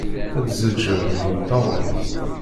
Ad tezzağğaw deg imeṭṭawen.